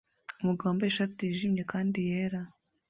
Umugabo wambaye ishati yijimye kandi yera